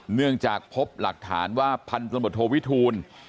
เนื่องจากพบหลักฐานว่าพันธบทโทวิทูล